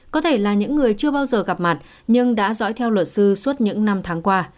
có thể là những người chưa bao giờ gặp mặt nhưng đã dõi theo luật sư suốt những năm tháng qua